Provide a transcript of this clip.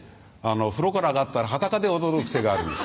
風呂から上がったら裸で踊る癖があるんです